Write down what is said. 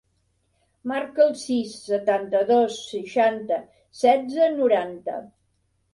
Marca el sis, setanta-dos, seixanta, setze, noranta.